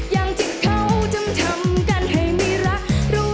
อย่างที่เขาจะทำกันให้มีรัก